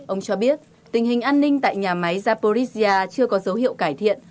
ông cho biết tình hình an ninh tại nhà máy zaporisia chưa có dấu hiệu cải thiện